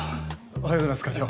おはようございます課長。